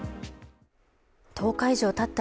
１０日以上たった